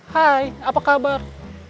hai apa kabar